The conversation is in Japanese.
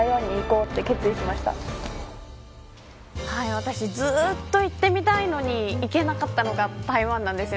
私、ずっと行ってみたいのに行けなかったのが台湾なんです。